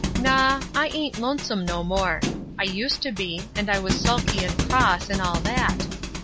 ''Naw, I ain't lonesome no more; I used to be, and I was sulky and cross, and all that.